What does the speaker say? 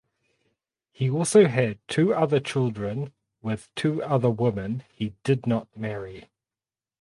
He also had two other children with two other women he did not marry.